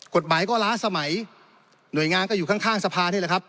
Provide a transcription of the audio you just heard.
กฎหมายก็ล้าสมัยหน่วยงานก็อยู่ข้างสภานี่แหละครับ